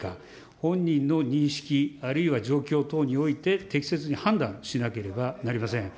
本人の認識、あるいは状況等において、適切に判断しなければなりません。